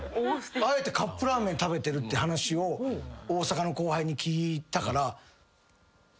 あえてカップラーメン食べてるって話を大阪の後輩に聞いたから。